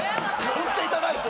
ふっていただいて。